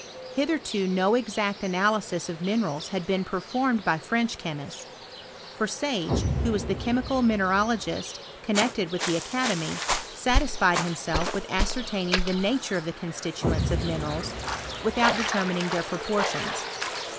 Hitherto no exact analysis of minerals had been performed by French chemists ; for Sage, wha was liie chemical mineralogist connected with the aeademy, satisfied himself with ascertaining the nature of the constituents of minerals, without de termining their proportions.